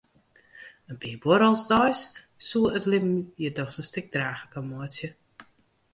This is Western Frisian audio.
In pear buorrels deis soe it libben hjir dochs in stik draachliker meitsje.